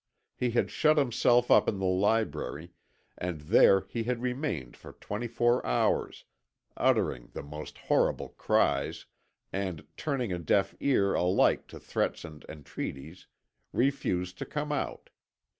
He had shut himself up in the library, and there he had remained for twenty four hours, uttering the most horrible cries, and, turning a deaf ear alike to threats and entreaties, refused to come out.